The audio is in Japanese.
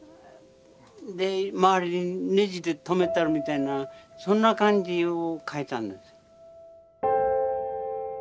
で周りにネジで留めてあるみたいなそんな感じを描いたんです。